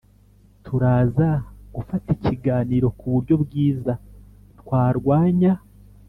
turaza gufata ikiganiro kuburyo bwiza twarwanya